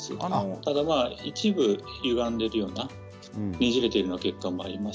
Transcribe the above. ただ一部、ゆがんでいるようなねじれているような血管もあります。